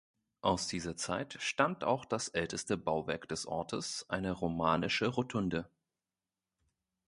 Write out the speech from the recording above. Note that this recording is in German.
Aus dieser Zeit stammt auch das älteste Bauwerk des Ortes, eine romanische Rotunde.